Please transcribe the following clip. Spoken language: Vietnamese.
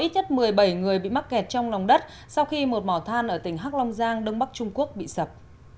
đã có một mươi bảy người bị mắc kẹt trong lòng đất sau khi một mỏ than ở tỉnh hak long giang đông bắc trung quốc bị sập